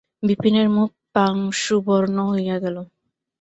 বিপিনের মুখ পাংশুবর্ণ হইয়া গেল।